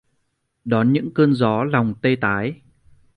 Đón những cơn gió lòng tê tái